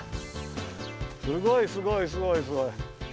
すごいすごいすごいすごい。